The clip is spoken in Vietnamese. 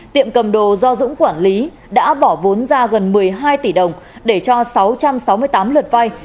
tiệm cầm đồ do dũng quản lý đã bỏ vốn ra gần một mươi hai tỷ đồng để cho sáu trăm sáu mươi tám lượt vay